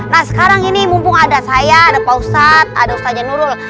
nah sekarang ini mumpung ada saya ada pak ustadz ada ustadznya nurul